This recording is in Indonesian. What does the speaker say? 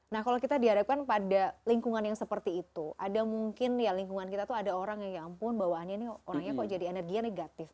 nah kalau kita dihadapkan pada lingkungan yang seperti itu ada mungkin ya lingkungan kita tuh ada orang yang ya ampun bawahnya nih orangnya kok jadi energinya negatif